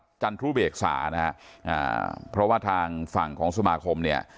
นายฉลิดรัฐจันทรุเปกษานะเพราะว่าทางฝั่งของสมาคมเนี่ย